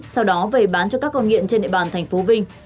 sau đó về bán cho các con nghiện trên địa bàn tp vinh